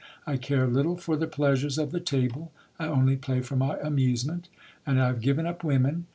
. I care little for the pleasures of the table ; I only play for my amusement ; and I have given up women.